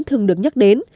thường được nhắc đến